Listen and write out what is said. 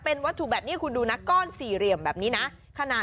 เป็นวัตถุก้อนสี่เหลี่ยมแบบนี้นะ